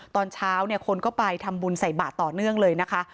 ตอนเช้าเนี่ยคนก็ไปทำบุญใส่บาทต่อเนื่องเลยนะคะ